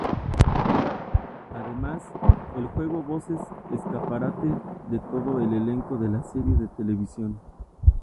Además, el juego voces escaparate de todo el elenco de la serie de televisión.